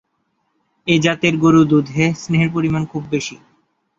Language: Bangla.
এ জাতের গুরু দুধে স্নেহের পরিমান খুব বেশি।